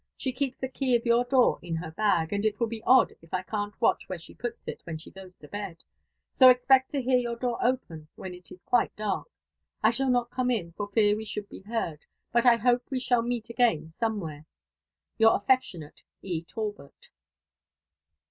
She keeps the key of your door ia her bag, and it will be odd if I can't watch where she^ puts it when she goes to bed: so expect to bear your door open when it is quite dark. I shall not come in, for fear we should be heard ; but 1 hope we shall meet again somewhere. Your affectionate, E. Talbot.